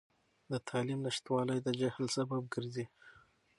د تعلیم نشتوالی د جهل سبب ګرځي.